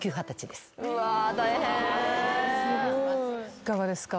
・いかがですか？